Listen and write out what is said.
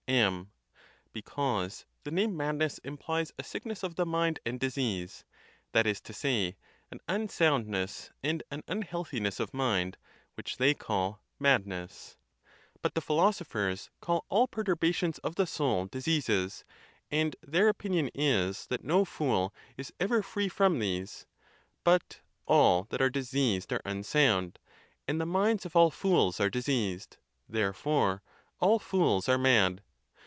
M. Because the name madness' implies a sickness of the mind and disease; that is to say, an unsoundness and an unhealthiness of mind, which they call madness. But the philosophers call all perturbations of the soul diseases, and their opinion is that no fool is ever free from these ; but all that are diseased are unsound; and the minds of all fools are diseased; therefore all fools are mad.